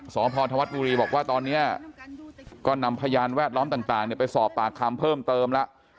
สพธวัฒน์บุรีบอกว่าตอนนี้ก็นำพยานแวดล้อมต่างไปสอบปากคำเพิ่มเติมแล้ว